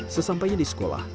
sesampainya di sekolah